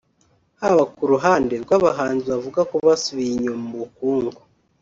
haba ku ruhande rw’abahinzi bavuga ko basubiye inyuma mu bukungu